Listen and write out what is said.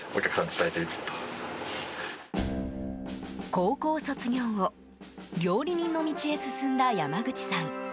高校卒業後料理人の道へ進んだ山口さん。